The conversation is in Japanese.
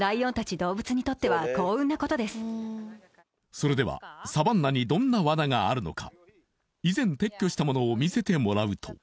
それではサバンナにどんな罠があるのか？